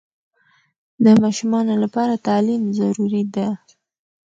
د ماشومانو لپاره تعلیم ضروري ده